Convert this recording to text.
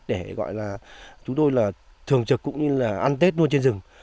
để gọi là chúng tôi là thường trực cũng như là ăn tết luôn trên rừng